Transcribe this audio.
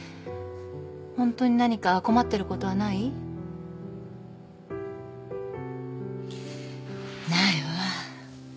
ホントに何か困ってることはない？ないわ。